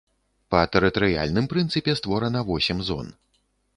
Па тэрытарыяльным прынцыпе створана восем зон.